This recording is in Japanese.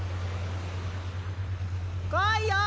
来いよ！